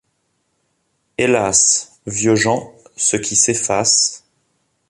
Hélas ! vieux Jean, ce qui s'efface